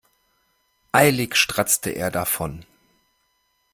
Eilig stratzte er davon.